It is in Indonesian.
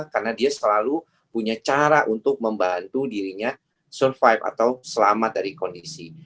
karena dia selalu punya cara untuk membantu dirinya survive atau selamat dari kondisi